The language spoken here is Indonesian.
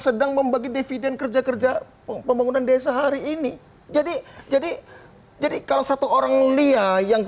sedang membagi dividen kerja kerja pembangunan desa hari ini jadi jadi kalau satu orang lia yang